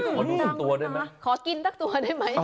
ขอดูสักตัวได้มั้ยขอกินสักตัวได้มั้ย